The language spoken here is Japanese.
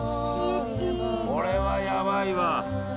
これはヤバいわ。